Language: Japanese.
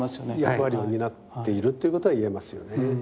役割を担っているっていうことは言えますよね。